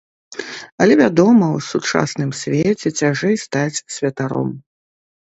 Але, вядома, у сучасным свеце цяжэй стаць святаром.